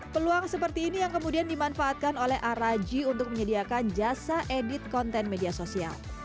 peluang seperti ini yang kemudian dimanfaatkan oleh araji untuk menyediakan jasa edit konten media sosial